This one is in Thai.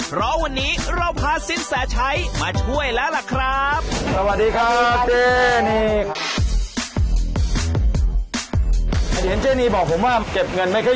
เพราะวันนี้เราพาสินแสชัยมาช่วยแล้วล่ะครับ